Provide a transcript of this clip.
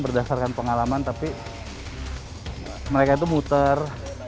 berdasarkan pengalaman tapi mereka itu muter